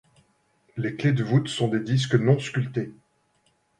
Les clés de voûte sont des disques non sculptés.